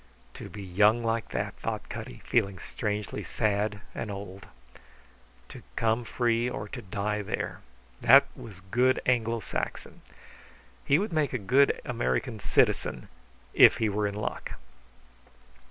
To be young like that! thought Cutty, feeling strangely sad and old. "To come free or to die there!" That was good Anglo Saxon. He would make a good American citizen if he were in luck.